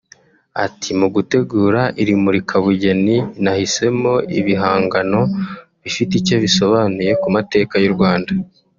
Ati « Mu gutegura iri Murika-Bugeni nahisemo ibihangano bifite icyo bisobanuye ku mateka y’u Rwanda